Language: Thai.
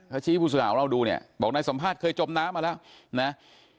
พระชิพุทธศาสตร์ของเราดูบอกนายสำภาษณ์เคยจมน้ำมาแล้ว